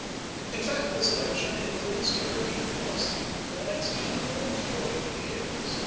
In fact, this election influenced European policy for the next hundred and forty years.